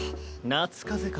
夏風邪か。